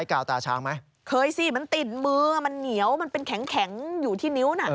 แข็งอยู่ที่นิ้วน่ะ